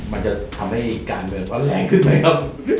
มันจะทำให้การเมืองเขาแรงขึ้นไหมครับ